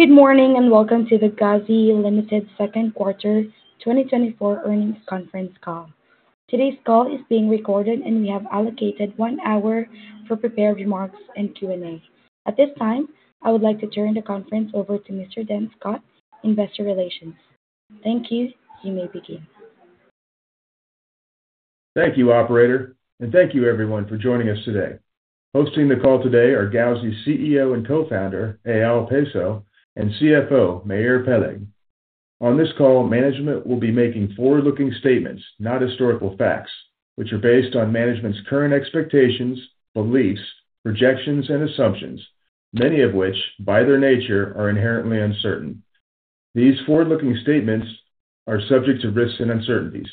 Good morning, and welcome to the Gauzy Limited Second Quarter 2024 Earnings Conference Call. Today's call is being recorded, and we have allocated 1 hour for prepared remarks and Q&A. At this time, I would like to turn the conference over to Mr. Dan Scott, Investor Relations. Thank you. You may begin. Thank you, operator, and thank you everyone for joining us today. Hosting the call today are Gauzy's CEO and Co-founder, Eyal Peso, and CFO, Meir Peleg. On this call, management will be making forward-looking statements, not historical facts, which are based on management's current expectations, beliefs, projections, and assumptions, many of which, by their nature, are inherently uncertain. These forward-looking statements are subject to risks and uncertainties.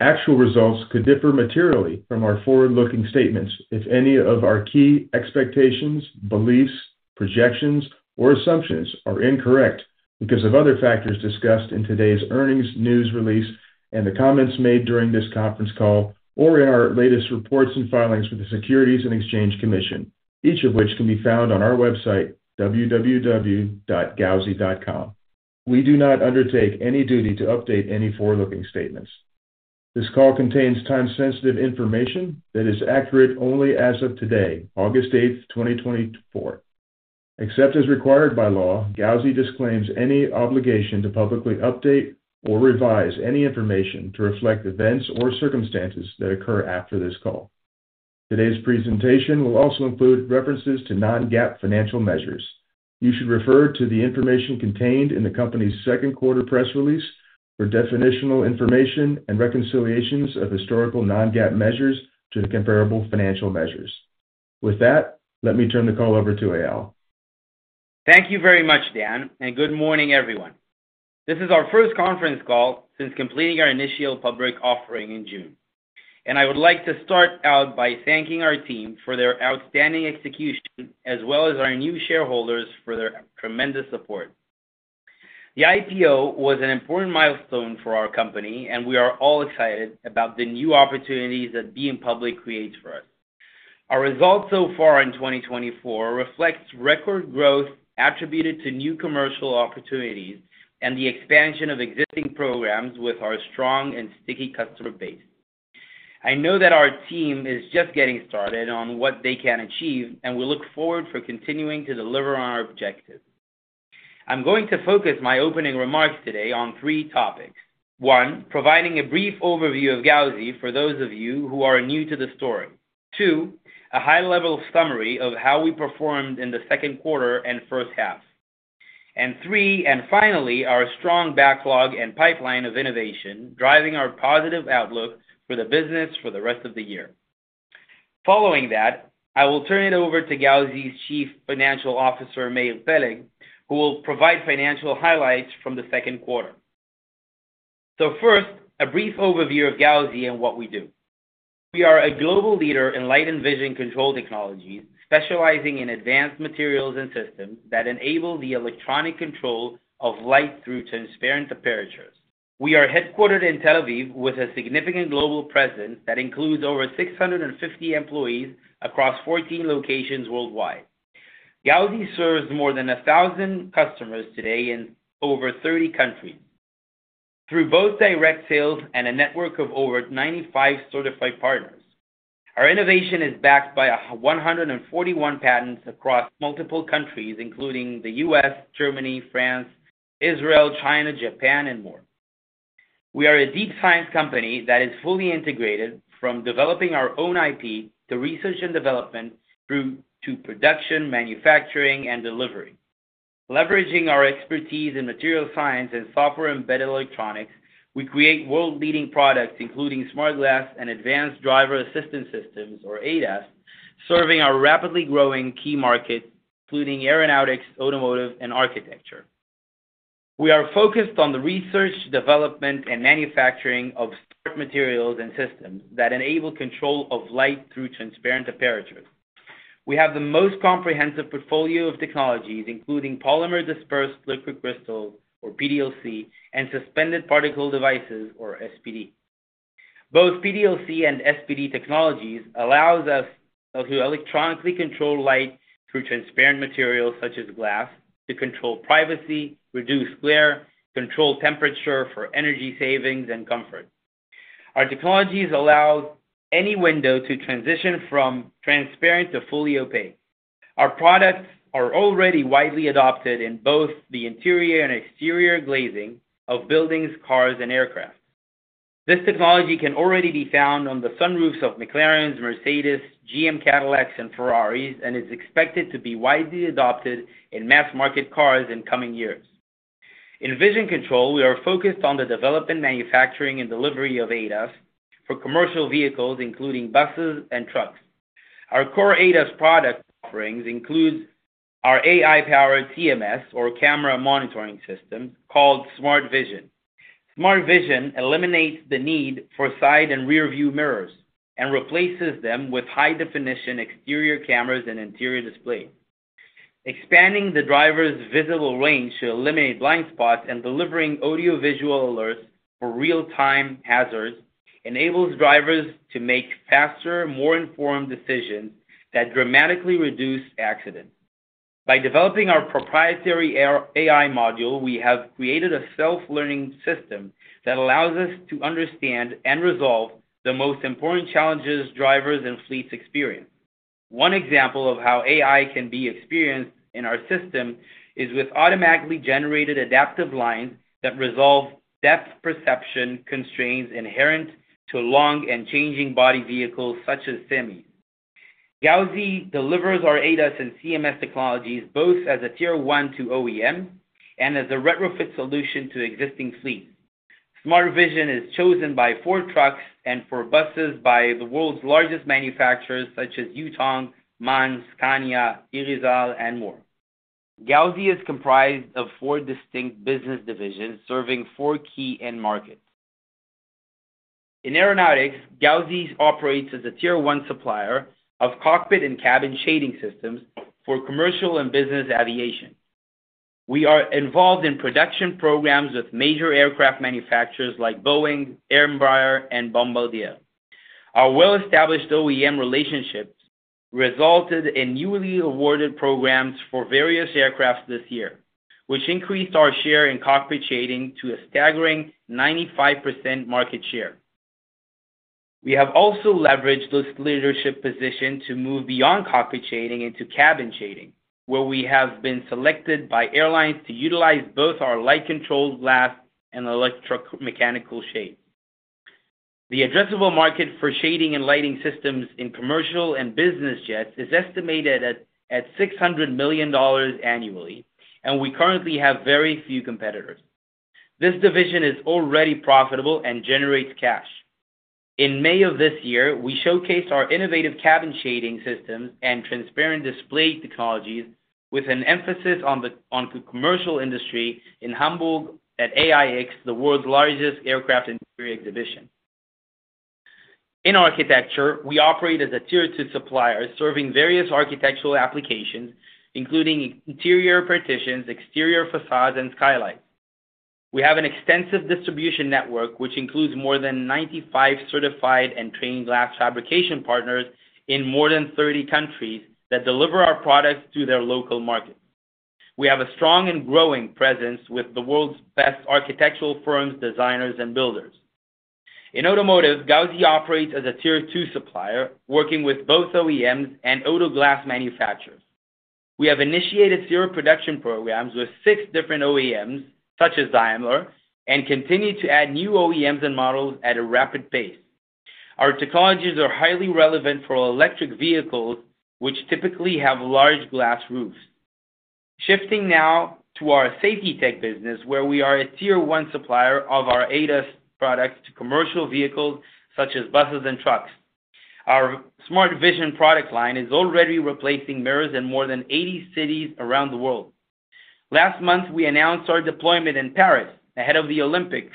Actual results could differ materially from our forward-looking statements if any of our key expectations, beliefs, projections, or assumptions are incorrect because of other factors discussed in today's earnings news release and the comments made during this conference call or in our latest reports and filings with the Securities and Exchange Commission, each of which can be found on our website, www.gauzy.com. We do not undertake any duty to update any forward-looking statements. This call contains time-sensitive information that is accurate only as of today, August 8, 2024. Except as required by law, Gauzy disclaims any obligation to publicly update or revise any information to reflect events or circumstances that occur after this call. Today's presentation will also include references to non-GAAP financial measures. You should refer to the information contained in the company's second quarter press release for definitional information and reconciliations of historical non-GAAP measures to the comparable financial measures. With that, let me turn the call over to Eyal. Thank you very much, Dan, and good morning, everyone. This is our first conference call since completing our initial public offering in June, and I would like to start out by thanking our team for their outstanding execution, as well as our new shareholders for their tremendous support. The IPO was an important milestone for our company, and we are all excited about the new opportunities that being public creates for us. Our results so far in 2024 reflects record growth attributed to new commercial opportunities and the expansion of existing programs with our strong and sticky customer base. I know that our team is just getting started on what they can achieve, and we look forward for continuing to deliver on our objectives. I'm going to focus my opening remarks today on three topics. One, providing a brief overview of Gauzy for those of you who are new to the story. two, a high-level summary of how we performed in the second quarter and first half. And three, and finally, our strong backlog and pipeline of innovation, driving our positive outlook for the business for the rest of the year. Following that, I will turn it over to Gauzy's Chief Financial Officer, Meir Peleg, who will provide financial highlights from the second quarter. So first, a brief overview of Gauzy and what we do. We are a global leader in light and vision control technologies, specializing in advanced materials and systems that enable the electronic control of light through transparent apertures. We are headquartered in Tel Aviv with a significant global presence that includes over 650 employees across 14 locations worldwide. Gauzy serves more than 1,000 customers today in over 30 countries, through both direct sales and a network of over 95 certified partners. Our innovation is backed by a 141 patents across multiple countries, including the U.S., Germany, France, Israel, China, Japan, and more. We are a deep science company that is fully integrated from developing our own IP, to research and development, through to production, manufacturing, and delivery. Leveraging our expertise in material science and software-embedded electronics, we create world-leading products, including smart glass and advanced driver assistance systems, or ADAS, serving our rapidly growing key markets, including aeronautics, automotive, and architecture. We are focused on the research, development, and manufacturing of smart materials and systems that enable control of light through transparent apertures. We have the most comprehensive portfolio of technologies, including polymer dispersed liquid crystal, or PDLC, and suspended particle devices, or SPD. Both PDLC and SPD technologies allows us to electronically control light through transparent materials, such as glass, to control privacy, reduce glare, control temperature for energy savings and comfort. Our technologies allows any window to transition from transparent to fully opaque. Our products are already widely adopted in both the interior and exterior glazing of buildings, cars, and aircraft. This technology can already be found on the sunroofs of McLarens, Mercedes, GM Cadillacs, and Ferraris, and is expected to be widely adopted in mass-market cars in coming years. In vision control, we are focused on the development, manufacturing, and delivery of ADAS for commercial vehicles, including buses and trucks. Our core ADAS product offerings includes our AI-powered CMS, or camera monitoring system, called Smart-Vision. Smart-Vision eliminates the need for side and rear view mirrors and replaces them with high-definition exterior cameras and interior displays, expanding the driver's visible range to eliminate blind spots and delivering audiovisual alerts for real-time hazards. Enables drivers to make faster, more informed decisions that dramatically reduce accidents. By developing our proprietary AI module, we have created a self-learning system that allows us to understand and resolve the most important challenges drivers and fleets experience. One example of how AI can be experienced in our system is with automatically generated adaptive lines that resolve depth perception constraints inherent to long and changing body vehicles, such as semi. Gauzy delivers our ADAS and CMS technologies both as a Tier 1 to OEM and as a retrofit solution to existing fleet. Smart-Vision is chosen by Ford Trucks and for buses by the world's largest manufacturers, such as Yutong, MAN, Scania, Irizar, and more. Gauzy is comprised of four distinct business divisions, serving four key end markets. In aeronautics, Gauzy operates as a Tier 1 supplier of cockpit and cabin shading systems for commercial and business aviation. We are involved in production programs with major aircraft manufacturers like Boeing, Embraer, and Bombardier. Our well-established OEM relationships resulted in newly awarded programs for various aircraft this year, which increased our share in cockpit shading to a staggering 95% market share. We have also leveraged this leadership position to move beyond cockpit shading into cabin shading, where we have been selected by airlines to utilize both our light-controlled glass and electromechanical shades. The addressable market for shading and lighting systems in commercial and business jets is estimated at $600 million annually, and we currently have very few competitors. This division is already profitable and generates cash. In May of this year, we showcased our innovative cabin shading systems and transparent display technologies with an emphasis on the commercial industry in Hamburg at AIX, the world's largest aircraft interior exhibition. In architecture, we operate as a Tier 2 supplier, serving various architectural applications, including interior partitions, exterior facades, and skylights. We have an extensive distribution network, which includes more than 95 certified and trained glass fabrication partners in more than 30 countries that deliver our products to their local markets. We have a strong and growing presence with the world's best architectural firms, designers, and builders. In automotive, Gauzy operates as a Tier 2 supplier, working with both OEMs and auto glass manufacturers. We have initiated serial production programs with six different OEMs, such as Daimler, and continue to add new OEMs and models at a rapid pace. Our technologies are highly relevant for electric vehicles, which typically have large glass roofs. Shifting now to our safety tech business, where we are a Tier 1 supplier of our ADAS products to commercial vehicles such as buses and trucks. Our Smart-Vision product line is already replacing mirrors in more than 80 cities around the world. Last month, we announced our deployment in Paris, ahead of the Olympics,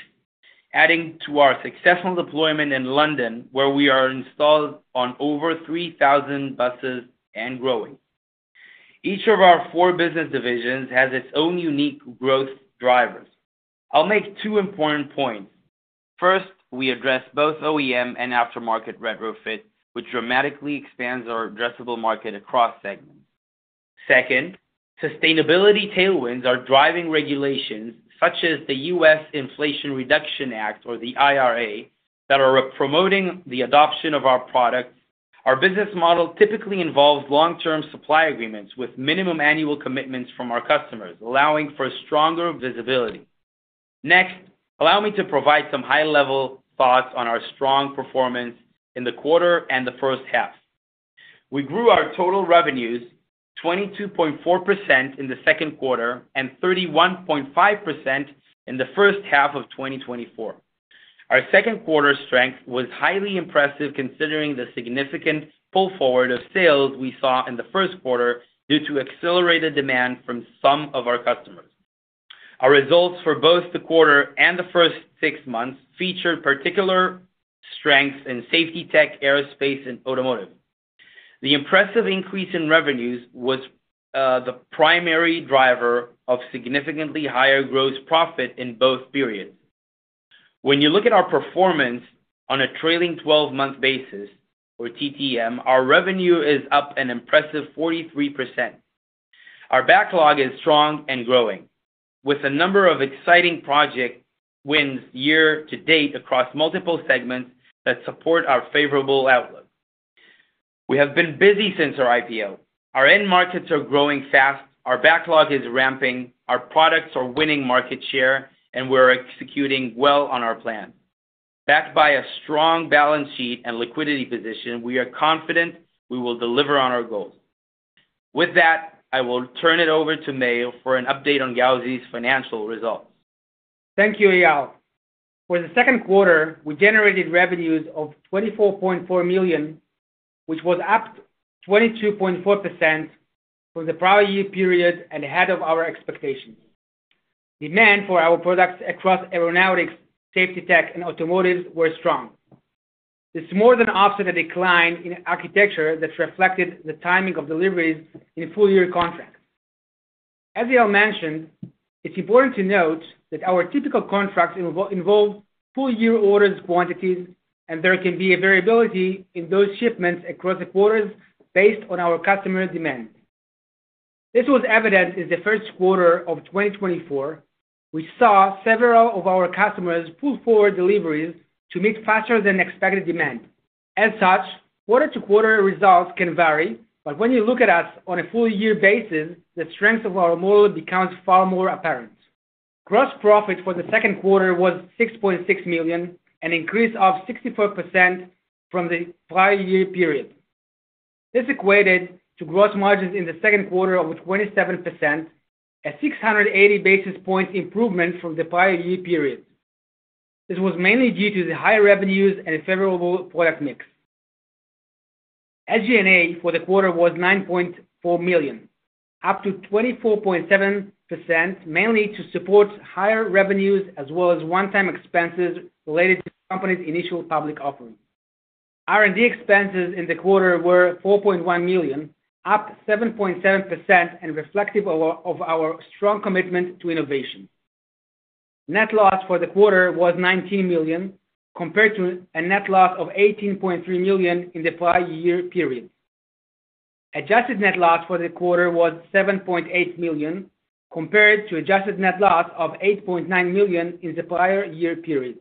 adding to our successful deployment in London, where we are installed on over 3,000 buses and growing. Each of our four business divisions has its own unique growth drivers. I'll make two important points. First, we address both OEM and aftermarket retrofit, which dramatically expands our addressable market across segments. Second, sustainability tailwinds are driving regulations such as the U.S. Inflation Reduction Act, or the IRA, that are promoting the adoption of our product. Our business model typically involves long-term supply agreements with minimum annual commitments from our customers, allowing for stronger visibility. Next, allow me to provide some high-level thoughts on our strong performance in the quarter and the first half. We grew our total revenues 22.4% in the second quarter and 31.5% in the first half of 2024. Our second quarter strength was highly impressive, considering the significant pull forward of sales we saw in the first quarter due to accelerated demand from some of our customers. Our results for both the quarter and the first six months featured particular strengths in Safety Tech, aerospace, and automotive. The impressive increase in revenues was the primary driver of significantly higher gross profit in both periods. When you look at our performance on a trailing twelve-month basis, or TTM, our revenue is up an impressive 43%. Our backlog is strong and growing, with a number of exciting project wins year to date across multiple segments that support our favorable outlook. We have been busy since our IPO. Our end markets are growing fast, our backlog is ramping, our products are winning market share, and we're executing well on our plan. Backed by a strong balance sheet and liquidity position, we are confident we will deliver on our goals. With that, I will turn it over to Meir for an update on Gauzy's financial results. Thank you, Eyal. For the second quarter, we generated revenues of $24.4 million, which was up 22.4% from the prior year period and ahead of our expectations. Demand for our products across aeronautics, safety tech, and automotive were strong. This more than offset a decline in architecture that reflected the timing of deliveries in full year contracts. As Eyal mentioned, it's important to note that our typical contracts involve full year orders quantities, and there can be a variability in those shipments across the quarters based on our customer demand. This was evident in the first quarter of 2024. We saw several of our customers pull forward deliveries to meet faster than expected demand. As such, quarter-to-quarter results can vary, but when you look at us on a full year basis, the strength of our model becomes far more apparent. Gross profit for the second quarter was $6.6 million, an increase of 64% from the prior year period. This equated to gross margins in the second quarter of 27%, a 680 basis point improvement from the prior year period. This was mainly due to the higher revenues and favorable product mix. SG&A for the quarter was $9.4 million, up to 24.7%, mainly to support higher revenues, as well as one-time expenses related to the company's initial public offering. R&D expenses in the quarter were $4.1 million, up 7.7%, and reflective of our strong commitment to innovation. Net loss for the quarter was $19 million, compared to a net loss of $18.3 million in the prior year period. Adjusted net loss for the quarter was $7.8 million, compared to adjusted net loss of $8.9 million in the prior year period.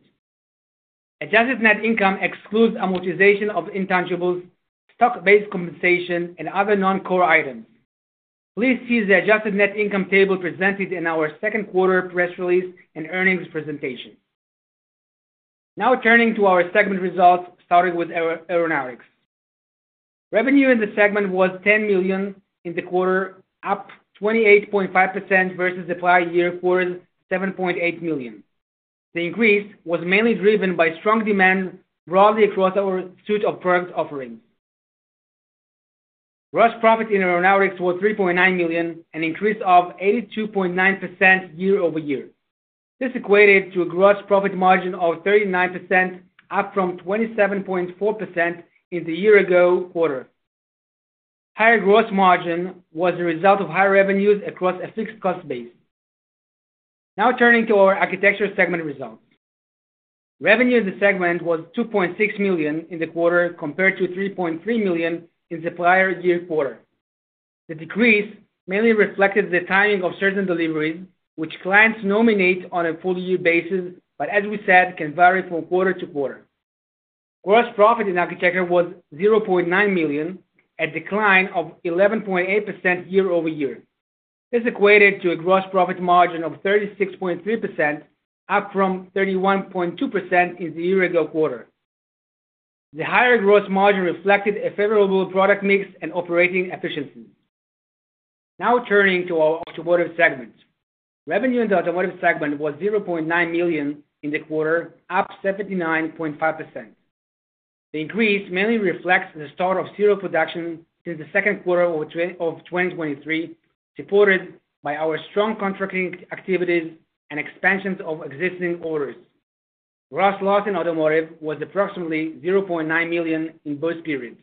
Adjusted net income excludes amortization of intangibles, stock-based compensation, and other non-core items. Please see the adjusted net income table presented in our second quarter press release and earnings presentation. Now turning to our segment results, starting with aeronautics. Revenue in the segment was $10 million in the quarter, up 28.5% versus the prior year quarter, $7.8 million. The increase was mainly driven by strong demand broadly across our suite of product offerings. Gross profit in aeronautics was $3.9 million, an increase of 82.9% year-over-year. This equated to a gross profit margin of 39%, up from 27.4% in the year ago quarter. Higher gross margin was the result of higher revenues across a fixed cost base. Now turning to our architecture segment results. Revenue in the segment was $2.6 million in the quarter, compared to $3.3 million in the prior year quarter. The decrease mainly reflected the timing of certain deliveries, which clients nominate on a full year basis, but as we said, can vary from quarter to quarter. Gross profit in architecture was $0.9 million, a decline of 11.8% year-over-year. This equated to a gross profit margin of 36.3%, up from 31.2% in the year ago quarter. The higher gross margin reflected a favorable product mix and operating efficiency. Now turning to our automotive segment. Revenue in the automotive segment was $0.9 million in the quarter, up 79.5%. The increase mainly reflects the start of serial production in the second quarter of 2023, supported by our strong contracting activities and expansions of existing orders. Gross loss in automotive was approximately $0.9 million in both periods.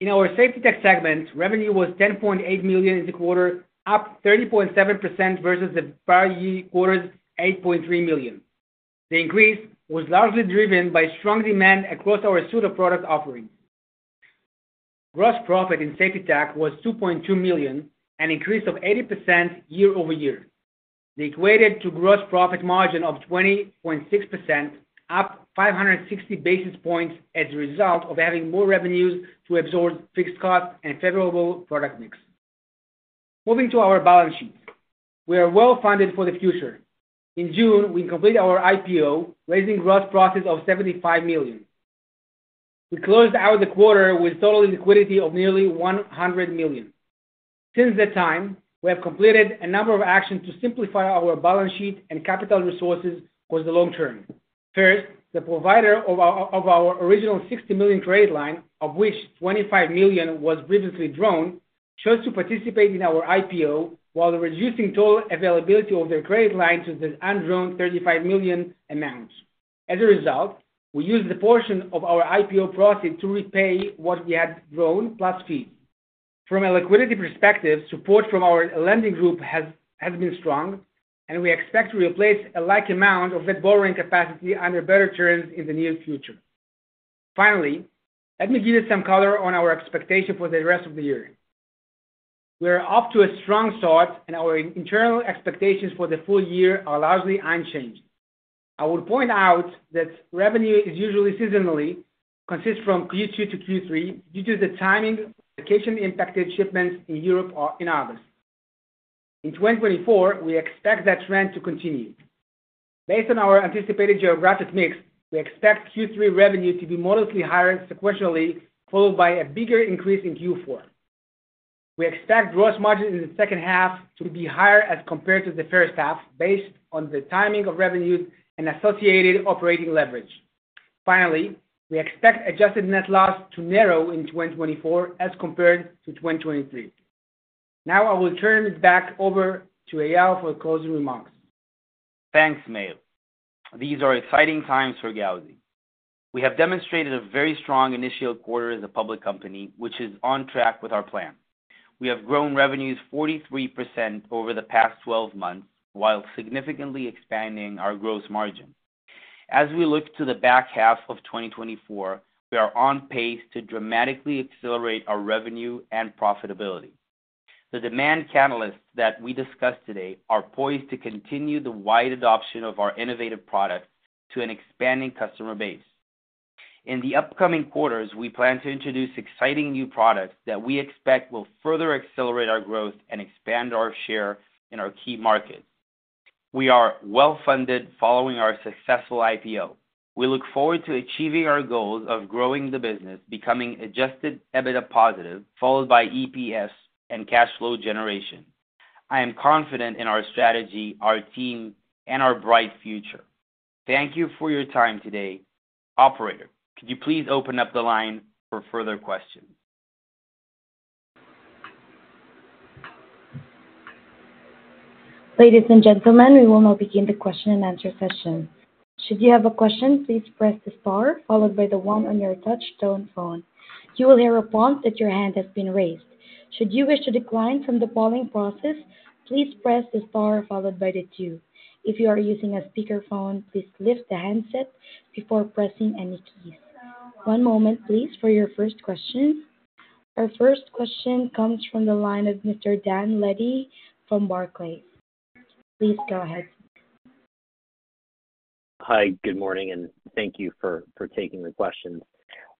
In our Safety Tech segment, revenue was $10.8 million in the quarter, up 30.7% versus the prior year quarter's $8.3 million. The increase was largely driven by strong demand across our suite of product offerings. Gross profit in Safety Tech was $2.2 million, an increase of 80% year-over-year. This equated to gross profit margin of 20.6%, up 560 basis points as a result of having more revenues to absorb fixed costs and favorable product mix. Moving to our balance sheet. We are well-funded for the future. In June, we completed our IPO, raising gross profits of $75 million. We closed out the quarter with total liquidity of nearly $100 million. Since that time, we have completed a number of actions to simplify our balance sheet and capital resources for the long term. First, the provider of our original $60 million credit line, of which $25 million was previously drawn, chose to participate in our IPO while reducing total availability of their credit line to the undrawn $35 million amounts. As a result, we used a portion of our IPO proceeds to repay what we had drawn, plus fees. From a liquidity perspective, support from our lending group has been strong, and we expect to replace a like amount of that borrowing capacity under better terms in the near future. Finally, let me give you some color on our expectation for the rest of the year. We are off to a strong start, and our internal expectations for the full year are largely unchanged. I would point out that revenue is usually seasonally, consists from Q2 to Q3, due to the timing of vacation-impacted shipments in Europe or in August. In 2024, we expect that trend to continue. Based on our anticipated geographic mix, we expect Q3 revenue to be modestly higher sequentially, followed by a bigger increase in Q4. We expect gross margins in the second half to be higher as compared to the first half, based on the timing of revenues and associated operating leverage. Finally, we expect adjusted net loss to narrow in 2024 as compared to 2023. Now I will turn it back over to Eyal for closing remarks. Thanks, Meir. These are exciting times for Gauzy. We have demonstrated a very strong initial quarter as a public company, which is on track with our plan. We have grown revenues 43% over the past 12 months, while significantly expanding our gross margin. As we look to the back half of 2024, we are on pace to dramatically accelerate our revenue and profitability. The demand catalysts that we discussed today are poised to continue the wide adoption of our innovative products to an expanding customer base. In the upcoming quarters, we plan to introduce exciting new products that we expect will further accelerate our growth and expand our share in our key markets. We are well-funded following our successful IPO. We look forward to achieving our goals of growing the business, becoming adjusted EBITDA positive, followed by EPS and cash flow generation. I am confident in our strategy, our team, and our bright future. Thank you for your time today. Operator, could you please open up the line for further questions? Ladies and gentlemen, we will now begin the question and answer session. Should you have a question, please press the star followed by the one on your touchtone phone. You will hear a prompt that your hand has been raised. Should you wish to decline from the polling process, please press the star followed by the two. If you are using a speakerphone, please lift the handset before pressing any keys. One moment, please, for your first question. Our first question comes from the line of Mr. Dan Levy from Barclays. Please go ahead. Hi, good morning, and thank you for taking the questions.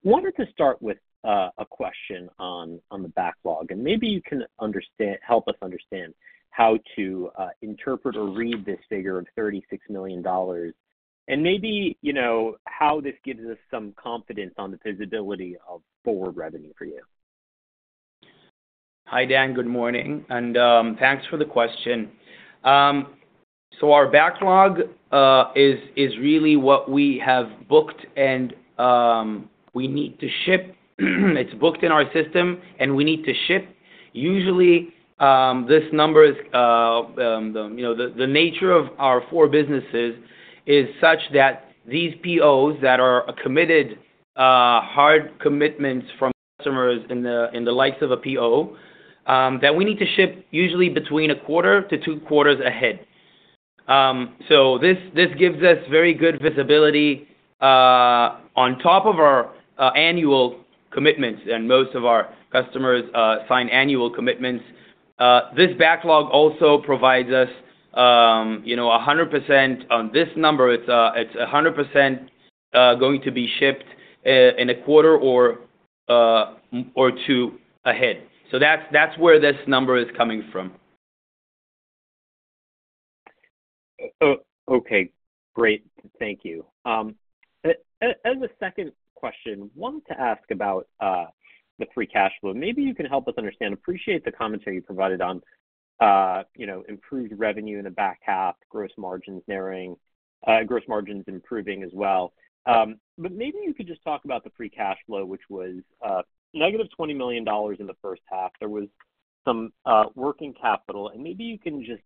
Wanted to start with a question on the backlog, and maybe you can help us understand how to interpret or read this figure of $36 million, and maybe, you know, how this gives us some confidence on the visibility of forward revenue for you. Hi, Dan, good morning, and thanks for the question. So our backlog is really what we have booked and we need to ship. It's booked in our system, and we need to ship. Usually, this number is you know the nature of our four businesses is such that these POs that are a committed hard commitments from customers in the likes of a PO that we need to ship usually between a quarter to two quarters ahead. So this gives us very good visibility on top of our annual commitments, and most of our customers sign annual commitments. This backlog also provides us you know 100% on this number. It's 100% going to be shipped in a quarter or two ahead. So that's where this number is coming from. Okay, great. Thank you. As a second question, wanted to ask about the free cash flow. Maybe you can help us understand. Appreciate the commentary you provided on, you know, improved revenue in the back half, gross margins narrowing, gross margins improving as well. But maybe you could just talk about the free cash flow, which was negative $20 million in the first half. There was some working capital, and maybe you can just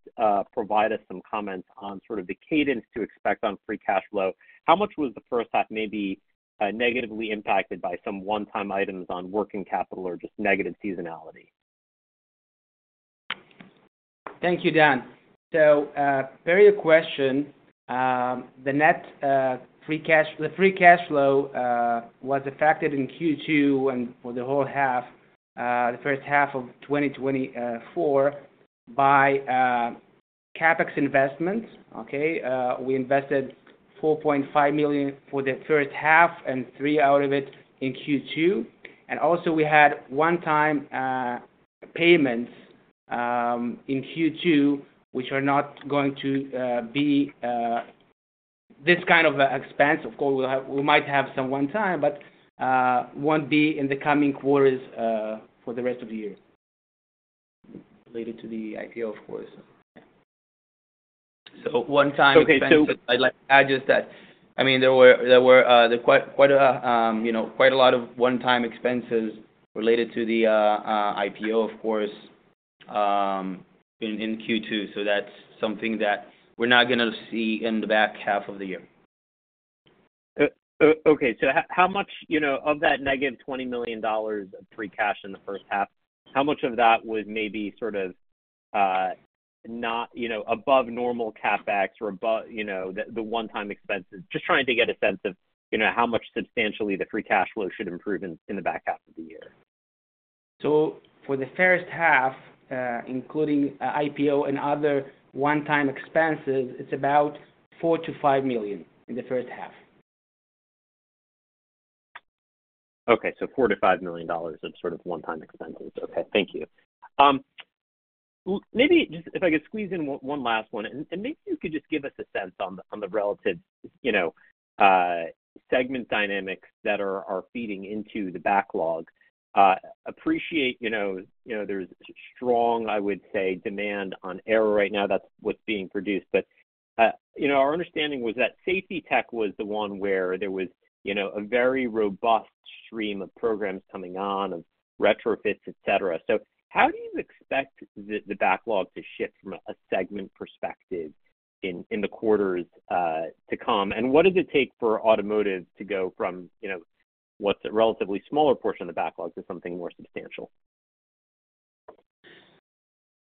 provide us some comments on sort of the cadence to expect on free cash flow. How much was the first half maybe negatively impacted by some one-time items on working capital or just negative seasonality? Thank you, Dan. So, per your question, the net, free cash- the free cash flow, was affected in Q2 and for the whole half, the first half of 2024, by CapEx investments, okay? We invested $4.5 million for the first half and $3 million out of it in Q2, and also we had one-time payments in Q2, which are not going to be this kind of expense. Of course, we'll have, we might have some one-time, but won't be in the coming quarters, for the rest of the year, related to the IPO, of course. So one time- Okay, so- I'd like to add just that, I mean, there were, you know, quite a lot of one-time expenses related to the IPO, of course, in Q2. So that's something that we're not gonna see in the back half of the year. Okay, so how much, you know, of that negative $20 million of free cash in the first half, how much of that was maybe sort of, you know, not, you know, above normal CapEx or above, you know, the, the one-time expenses? Just trying to get a sense of, you know, how much substantially the free cash flow should improve in, in the back half of the year. So for the first half, including IPO and other one-time expenses, it's about $4 million-$5 million in the first half. Okay, so $4 million-$5 million of sort of one-time expenses. Okay, thank you. Maybe just if I could squeeze in one last one, and maybe you could just give us a sense on the relative, you know, segment dynamics that are feeding into the backlog. Appreciate, you know, you know, there's strong, I would say, demand on aero right now. That's what's being produced. But, you know, our understanding was that safety tech was the one where there was, you know, a very robust stream of programs coming on, of retrofits, et cetera. So how do you expect the backlog to shift from a segment perspective in the quarters to come? And what does it take for automotive to go from, you know, what's a relatively smaller portion of the backlog to something more substantial?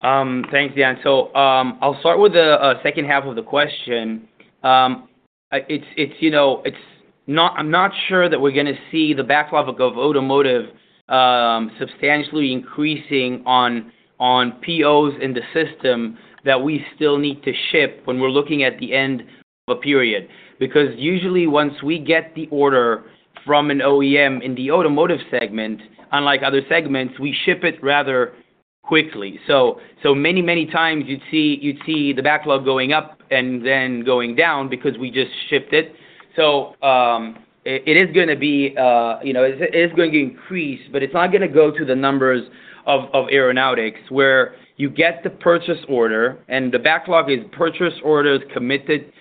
Thanks, Dan. So, I'll start with the second half of the question. It's, you know, it's not. I'm not sure that we're gonna see the backlog of automotive substantially increasing on POs in the system that we still need to ship when we're looking at the end of a period. Because usually once we get the order from an OEM in the automotive segment, unlike other segments, we ship it rather quickly. So, many times you'd see the backlog going up and then going down because we just shipped it. So, it is gonna be, you know, it is going to increase, but it's not gonna go to the numbers of aeronautics, where you get the purchase order and the backlog is purchase orders committed,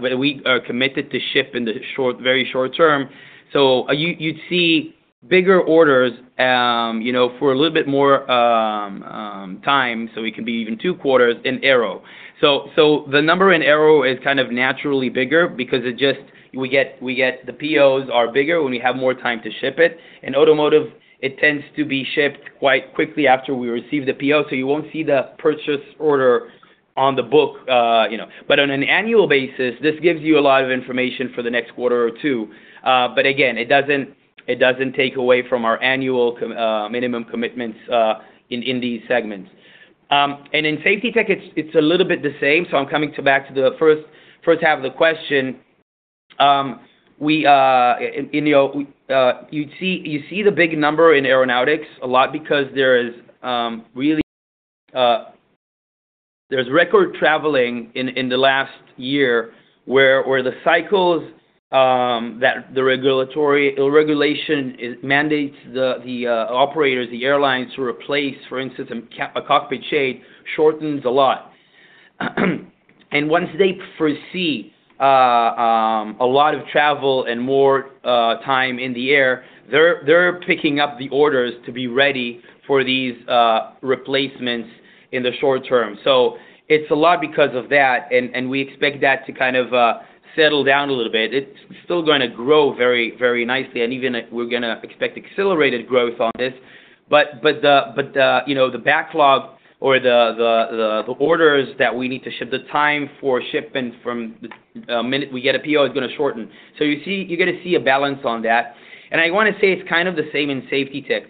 when we are committed to ship in the short, very short term. So you'd see bigger orders, you know, for a little bit more time, so it could be even two quarters in aero. So the number in aero is kind of naturally bigger because it just... we get the POs are bigger when we have more time to ship it. In automotive, it tends to be shipped quite quickly after we receive the PO, so you won't see the purchase order on the book, you know. But on an annual basis, this gives you a lot of information for the next quarter or two. But again, it doesn't take away from our annual minimum commitments in these segments. And in Safety Tech, it's a little bit the same, so I'm coming back to the first half of the question. We, in you know, you see the big number in aeronautics a lot because there is really there's record traveling in the last year, where the cycles that the regulatory regulation mandates the operators, the airlines to replace, for instance, a cockpit shade, shortens a lot. And once they foresee a lot of travel and more time in the air, they're picking up the orders to be ready for these replacements in the short term. So it's a lot because of that, and we expect that to kind of settle down a little bit. It's still gonna grow very, very nicely, and even we're gonna expect accelerated growth on this. But the, you know, the backlog or the orders that we need to ship, the time for shipping from the minute we get a PO is gonna shorten. So you're gonna see a balance on that. And I wanna say it's kind of the same in Safety Tech.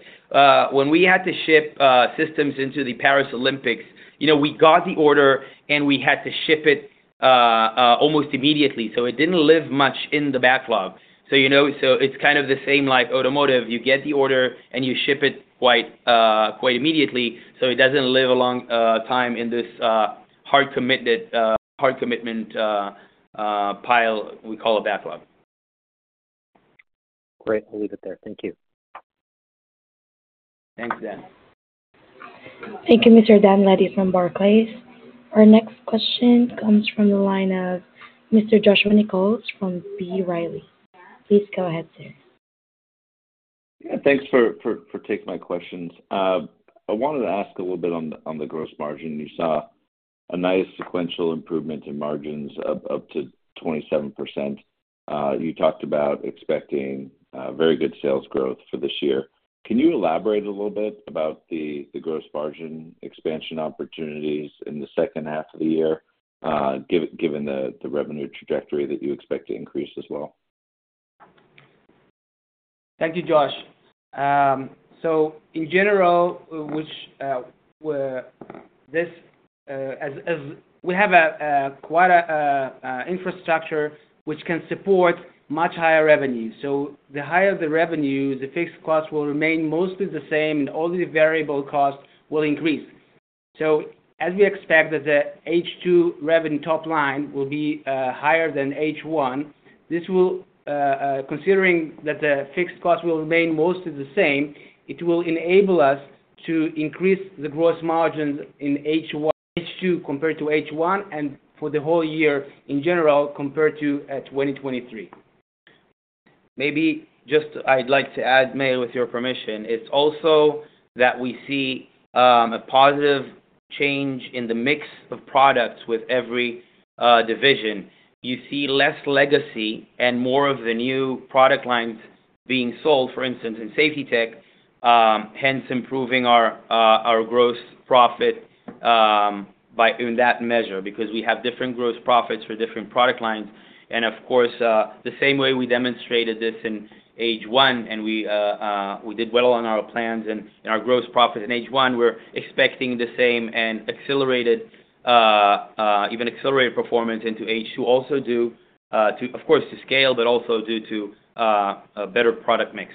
When we had to ship systems into the Paris Olympics, you know, we got the order, and we had to ship it almost immediately, so it didn't live much in the backlog. So, you know, so it's kind of the same like automotive. You get the order, and you ship it quite quite immediately, so it doesn't live a long time in this hard committed hard commitment pile we call a backlog. Great. I'll leave it there. Thank you. Thanks, Dan. Thank you, Mr. Dan Levy from Barclays. Our next question comes from the line of Mr. Joshua Nichols from B. Riley. Please go ahead, sir. Thanks for taking my questions. I wanted to ask a little bit on the gross margin. You saw a nice sequential improvement in margins up to 27%. You talked about expecting very good sales growth for this year. Can you elaborate a little bit about the gross margin expansion opportunities in the second half of the year, given the revenue trajectory that you expect to increase as well? Thank you, Josh. So in general, as we have a quite infrastructure which can support much higher revenue. So the higher the revenue, the fixed costs will remain mostly the same, and all the variable costs will increase. So as we expect that the H2 revenue top line will be higher than H1, this will, considering that the fixed cost will remain mostly the same, it will enable us to increase the gross margin in H2, compared to H1, and for the whole year in general, compared to 2023. Maybe just I'd like to add, Meir, with your permission, it's also that we see a positive change in the mix of products with every division. You see less legacy and more of the new product lines being sold, for instance, in Safety Tech, hence improving our gross profit by in that measure, because we have different gross profits for different product lines. And of course, the same way we demonstrated this in H1, and we did well on our plans and our gross profit in H1, we're expecting the same and accelerated, even accelerated performance into H2. Also due to of course to scale, but also due to a better product mix.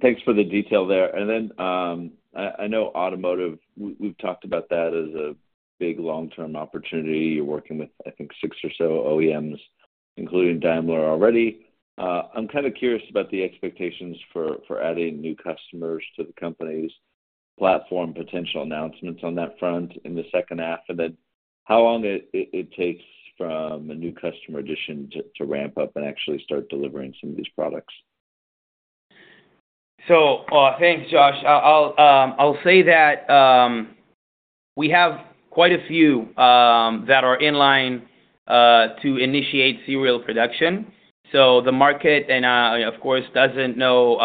Thanks for the detail there. And then, I know automotive, we've talked about that as a big long-term opportunity. You're working with, I think, six or so OEMs, including Daimler already. I'm kind of curious about the expectations for adding new customers to the company's platform, potential announcements on that front in the second half? And then how long it takes from a new customer addition to ramp up and actually start delivering some of these products? So, thanks, Josh. I'll, I'll say that we have quite a few that are in line to initiate serial production. So the market and, of course, doesn't know,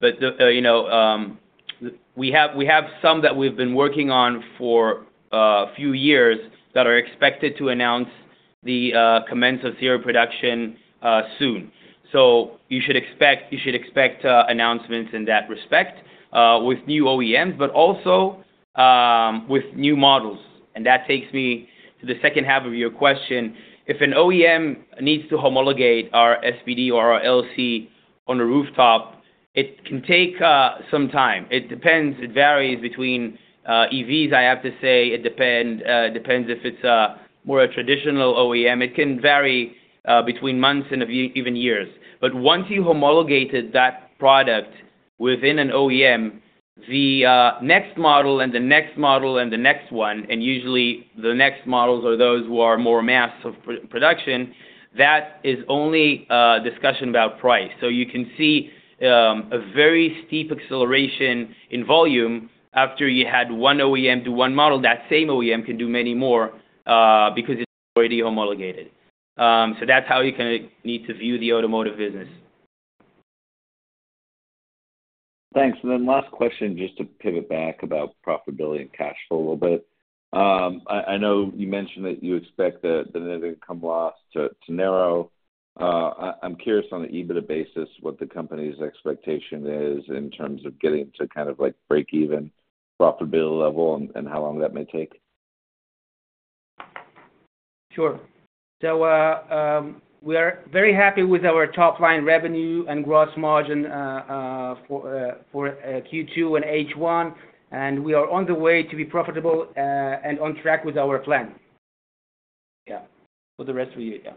but the, you know, we have, we have some that we've been working on for a few years that are expected to announce the commence of serial production soon. So you should expect, you should expect announcements in that respect with new OEMs, but also with new models. And that takes me to the second half of your question. If an OEM needs to homologate our SV3 or our LC on a rooftop, it can take some time. It depends. It varies between EVs, I have to say. It depends if it's more a traditional OEM. It can vary between months and even years. But once you've homologated that product within an OEM, the next model and the next model and the next one, and usually the next models are those who are more mass production, that is only a discussion about price. So you can see a very steep acceleration in volume after you had one OEM do one model, that same OEM can do many more because it's already homologated. So that's how you kind of need to view the automotive business. Thanks. And then last question, just to pivot back about profitability and cash flow a little bit. I know you mentioned that you expect the net income loss to narrow. I'm curious on an EBITDA basis, what the company's expectation is in terms of getting to kind of like breakeven profitability level and how long that may take? Sure. So, we are very happy with our top-line revenue and gross margin for Q2 and H1, and we are on the way to be profitable and on track with our plan. Yeah, for the rest of the year. Yeah.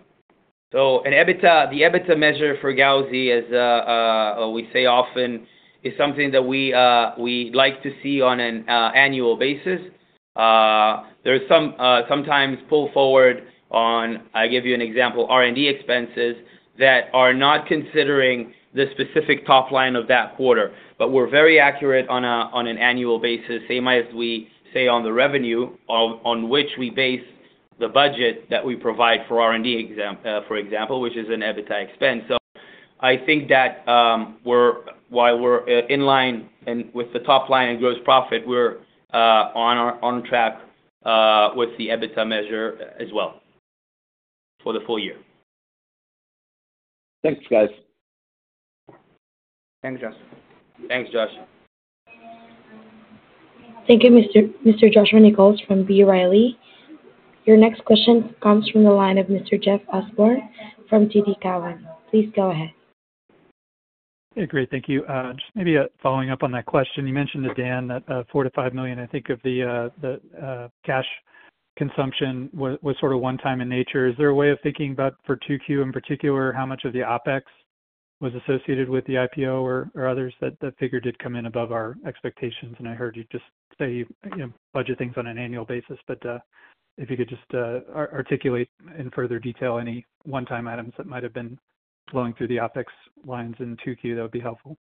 So in EBITDA, the EBITDA measure for Gauzy, as we say often, is something that we like to see on an annual basis. There is sometimes pull forward on, I'll give you an example, R&D expenses that are not considering the specific top line of that quarter. But we're very accurate on an annual basis, same as we say on the revenue on which we base the budget that we provide for R&D, for example, which is an EBITDA expense. So I think that we're while we're in line and with the top line and gross profit, we're on track with the EBITDA measure as well for the full year. Thanks, guys. Thanks, Josh. Thanks, Josh. Thank you, Mr. Joshua Nichols from B. Riley. Your next question comes from the line of Mr. Jeff Osborne from TD Cowen. Please go ahead. Hey, great. Thank you. Just maybe, following up on that question, you mentioned to Dan that, $4 million-$5 million, I think, of the cash consumption was sort of one-time in nature. Is there a way of thinking about for 2Q in particular, how much of the OpEx was associated with the IPO or others? That figure did come in above our expectations, and I heard you just say, you know, budget things on an annual basis. But, if you could just, articulate in further detail any one-time items that might have been flowing through the OpEx lines in 2Q, that would be helpful.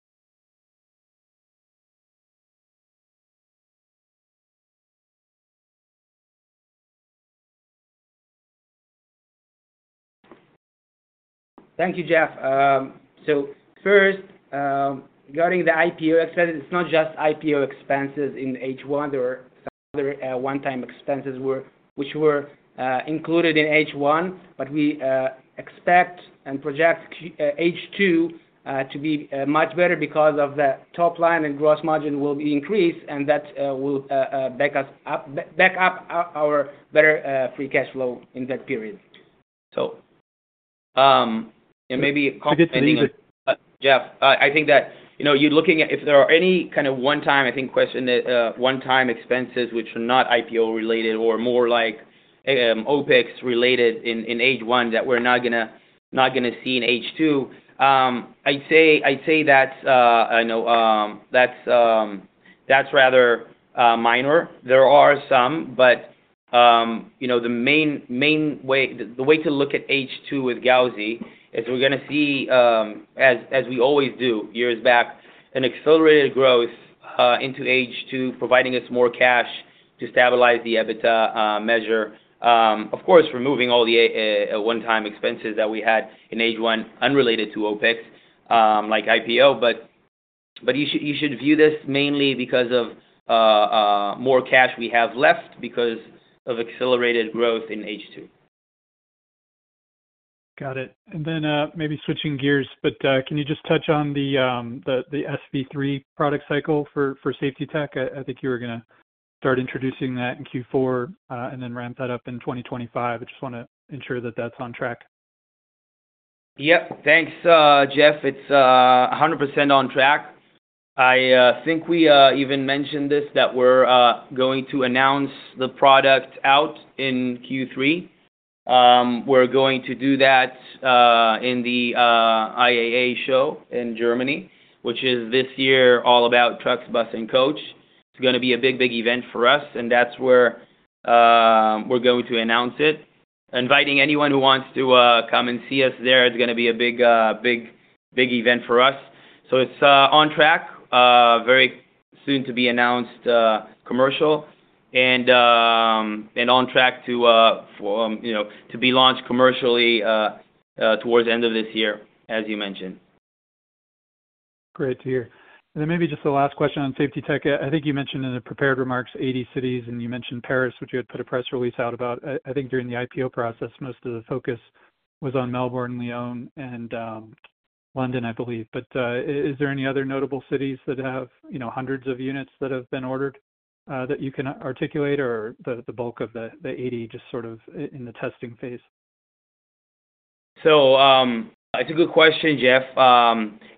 Thank you, Jeff. So first, regarding the IPO expenses, it's not just IPO expenses in H1. There were some other one-time expenses which were included in H1, but we expect and project H2 to be much better because of the top line and gross margin will be increased, and that will back us up-- back up our better free cash flow in that period. So, and maybe- Just to leave it- Jeff, I think that, you know, you're looking at if there are any kind of one-time, I think, one-time expenses which are not IPO related or more like, OpEx related in H1 that we're not gonna see in H2, I'd say that's, I know, that's rather minor. There are some, but, you know, the main way, the way to look at H2 with Gauzy is we're gonna see, as we always do, years back, an accelerated growth into H2, providing us more cash to stabilize the EBITDA measure. Of course, removing all the one-time expenses that we had in H1, unrelated to OpEx, like IPO. But you should view this mainly because of more cash we have left because of accelerated growth in H2. Got it. And then, maybe switching gears, but, can you just touch on the SV3 product cycle for Safety Tech? I think you were gonna start introducing that in Q4, and then ramp that up in 2025. I just wanna ensure that that's on track. Yep. Thanks, Jeff. It's 100% on track. I think we even mentioned this, that we're going to announce the product out in Q3. We're going to do that in the IAA show in Germany, which is this year all about trucks, bus, and coach. It's gonna be a big, big event for us, and that's where we're going to announce it. Inviting anyone who wants to come and see us there. It's gonna be a big, big, big event for us. So it's on track very soon to be announced commercial, and, and on track to, for, you know, to be launched commercially towards the end of this year, as you mentioned. Great to hear. And then maybe just the last question on safety tech. I think you mentioned in the prepared remarks, 80 cities, and you mentioned Paris, which you had put a press release out about. I think during the IPO process, most of the focus was on Melbourne, Lyon, and London, I believe. But is there any other notable cities that have, you know, hundreds of units that have been ordered, that you can articulate, or the bulk of the 80 just sort of in the testing phase? So, it's a good question, Jeff.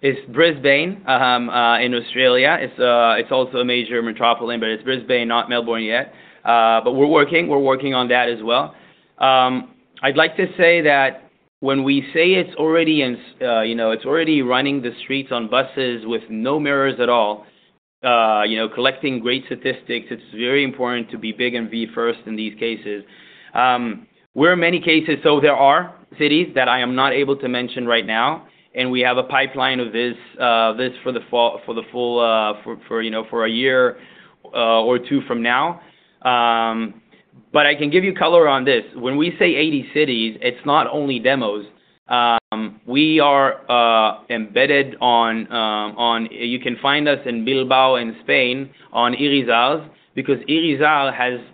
It's Brisbane in Australia. It's also a major metropolitan, but it's Brisbane, not Melbourne yet. But we're working, we're working on that as well. I'd like to say that when we say it's already in, you know, it's already running the streets on buses with no mirrors at all, you know, collecting great statistics, it's very important to be big and be first in these cases. We're in many cases, so there are cities that I am not able to mention right now, and we have a pipeline of this for the full year or two from now. But I can give you color on this. When we say 80 cities, it's not only demos. We are embedded on, you can find us in Bilbao, in Spain, on Irizar, because Irizar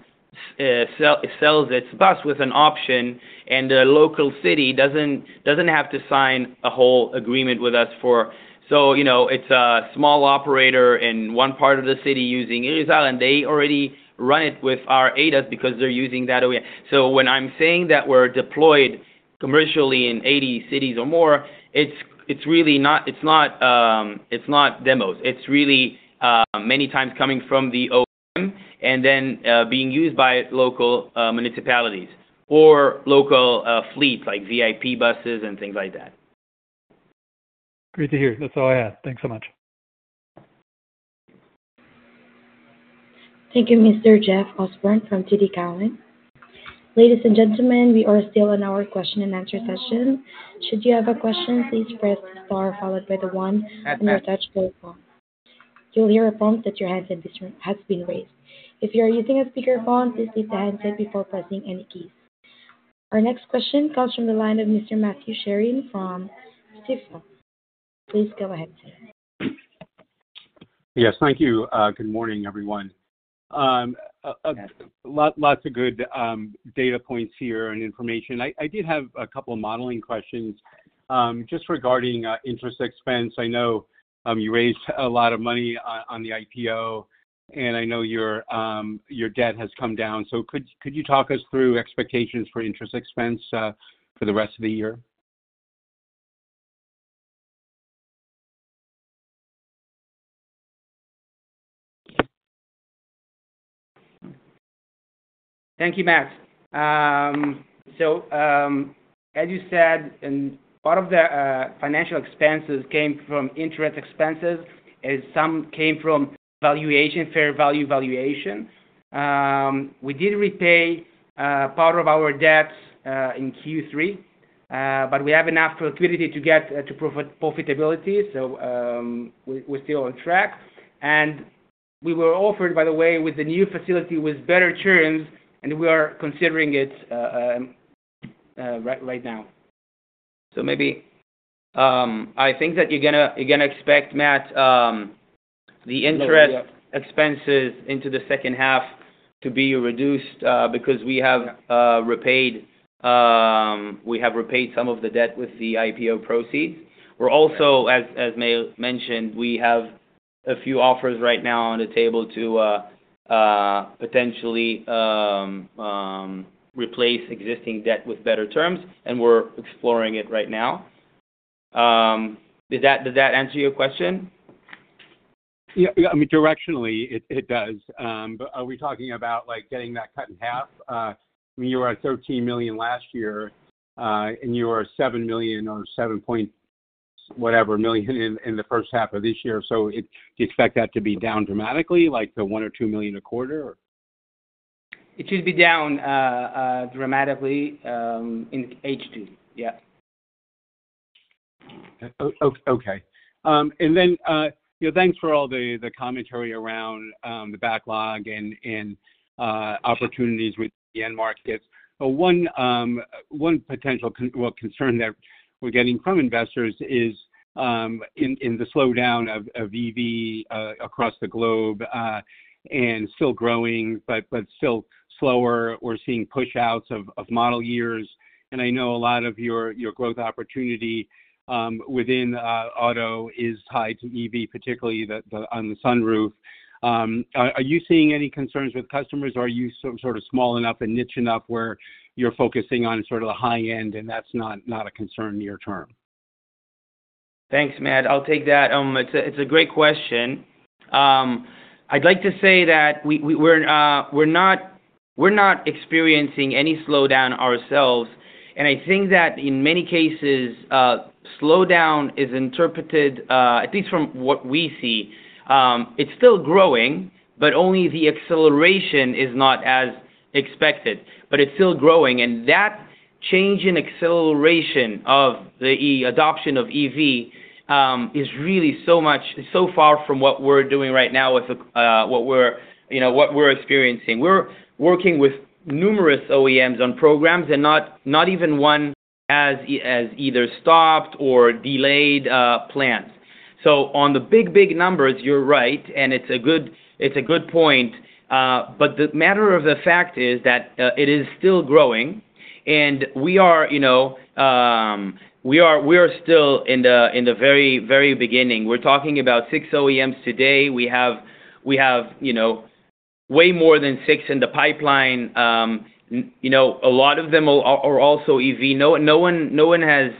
sells its bus with an option, and the local city doesn't have to sign a whole agreement with us for... So, you know, it's a small operator in one part of the city using Irizar, and they already run it with our ADAS because they're using that OEM. So when I'm saying that we're deployed commercially in 80 cities or more, it's really not demos. It's really many times coming from the OEM and then being used by local municipalities or local fleets, like VIP buses and things like that. Great to hear. That's all I had. Thanks so much. Thank you, Mr. Jeff Osborne from TD Cowen. Ladies and gentlemen, we are still in our question and answer session. Should you have a question, please press star followed by the one on your touchtone phone. You'll hear a prompt that your handset has been raised. If you are using a speakerphone, please mute the handset before pressing any keys. Our next question comes from the line of Mr. Matthew Sheerin from Stifel. Please go ahead, sir. Yes, thank you. Good morning, everyone. Lots of good data points here and information. I did have a couple of modeling questions. Just regarding interest expense, I know you raised a lot of money on the IPO, and I know your debt has come down. So could you talk us through expectations for interest expense for the rest of the year? Thank you, Matt. So, as you said, and part of the financial expenses came from interest expenses, and some came from valuation, fair value valuation. We did repay part of our debts in Q3, but we have enough liquidity to get to profitability, so we're still on track. And we were offered, by the way, with the new facility, with better terms, and we are considering it right now. So maybe, I think that you're gonna expect, Matt, the interest expenses into the second half to be reduced, because we have repaid some of the debt with the IPO proceeds. We're also, as Meir mentioned, we have a few offers right now on the table to potentially replace existing debt with better terms, and we're exploring it right now. Does that answer your question? Yeah, yeah. I mean, directionally, it does. But are we talking about, like, getting that cut in half? I mean, you were at $13 million last year, and you were $7 million or $7 point whatever million in the first half of this year. So do you expect that to be down dramatically, like to $1 or $2 million a quarter, or? It should be down dramatically in H2. Yeah. Okay. And then, you know, thanks for all the commentary around the backlog and opportunities with the end markets. But one potential concern that we're getting from investors is in the slowdown of EV across the globe and still growing, but still slower. We're seeing push outs of model years, and I know a lot of your growth opportunity within auto is tied to EV, particularly on the sunroof. Are you seeing any concerns with customers or are you some sort of small enough and niche enough where you're focusing on sort of the high end, and that's not a concern near term?... Thanks, Matt. I'll take that. It's a great question. I'd like to say that we're not experiencing any slowdown ourselves, and I think that in many cases, slowdown is interpreted, at least from what we see, it's still growing, but only the acceleration is not as expected. But it's still growing, and that change in acceleration of the EV adoption of EV is really so much so far from what we're doing right now with the what we're experiencing. We're working with numerous OEMs on programs, and not even one has either stopped or delayed plans. So on the big numbers, you're right, and it's a good point. But the matter of the fact is that, it is still growing, and we are, you know, we are, we are still in the, in the very, very beginning. We're talking about 6 OEMs today. We have, we have, you know, way more than 6 in the pipeline. You know, a lot of them are, are also EV. No, no one, no one has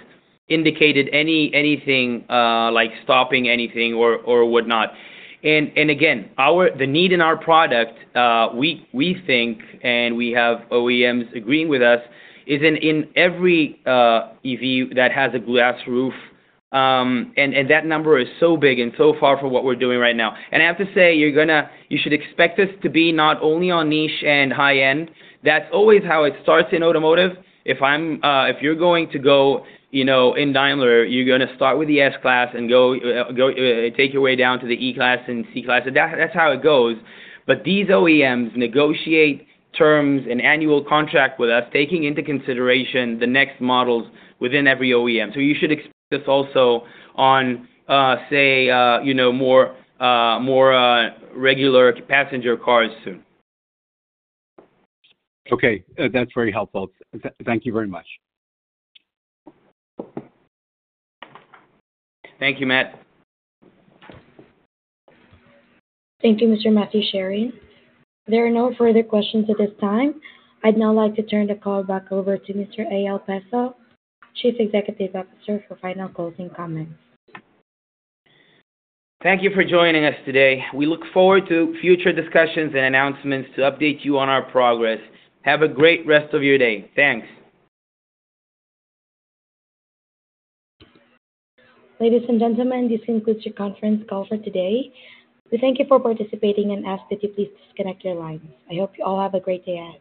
indicated anything like stopping anything or, or whatnot. And, and again, the need in our product, we, we think, and we have OEMs agreeing with us, is in, in every, EV that has a glass roof. And, and that number is so big and so far from what we're doing right now. And I have to say, you're gonna- you should expect us to be not only on niche and high-end. That's always how it starts in automotive. If I'm, if you're going to go, you know, in Daimler, you're gonna start with the S-Class and go, go, take your way down to the E-Class and C-Class. That, that's how it goes. But these OEMs negotiate terms and annual contract with us, taking into consideration the next models within every OEM. So you should expect us also on, say, you know, more, more, regular passenger cars soon. Okay, that's very helpful. Thank you very much. Thank you, Matt. Thank you, Mr. Matthew Sheerin. There are no further questions at this time. I'd now like to turn the call back over to Mr. Eyal Peso, Chief Executive Officer, for final closing comments. Thank you for joining us today. We look forward to future discussions and announcements to update you on our progress. Have a great rest of your day. Thanks. Ladies and gentlemen, this concludes your conference call for today. We thank you for participating and ask that you please disconnect your lines. I hope you all have a great day ahead.